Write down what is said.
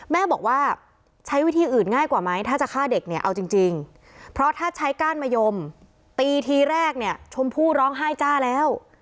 แม่บอกว่าใช้วิธีอื่นง่ายกว่าไหมถ้าจะฆ่าเด็กเนี่ยเอาจริงเพราะถ้าใช้ก้านมะยมตีทีแรกเนี่ยชมพู่ร้องไห้จ้าแล้ว